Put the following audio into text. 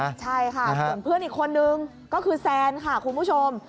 ใช่ค่ะส่วนเพื่อนอีกคนนึงก็คือแซนค่ะคุณผู้ชม